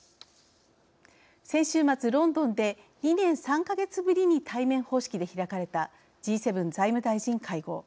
先週末、ロンドンで２年３か月ぶりに対面方式で開かれたＧ７財務大臣会合。